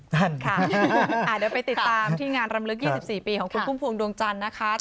เดี๋ยวไปติดตามที่งานรำลึก๒๔ปีของคุณพุ่มพวงดวงจันทร์นะคะ